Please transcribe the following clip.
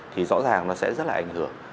thì rõ ràng nó sẽ rất là ảnh hưởng